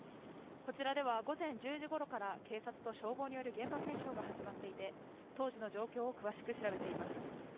こちらでは午前１０時ごろから警察と消防による現場検証が始まっていて当時の状況を詳しく調べています